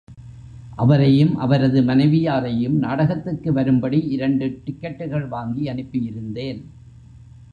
அவரையும் அவரது மனைவியாரையும் நாடகத்திற்கு வரும்படி இரண்டு டிக்கட்டுகள் வாங்கி அனுப்பியிருந்தேன்.